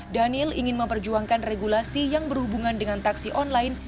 daniel ingin memperjuangkan regulasi yang berhubungan dengan taksi online